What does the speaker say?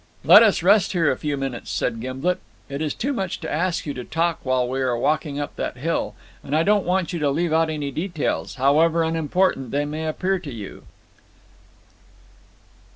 "Let us rest here a few minutes," said Gimblet. "It is too much to ask you to talk while we are walking up that hill, and I don't want you to leave out any details, however unimportant they may appear to you."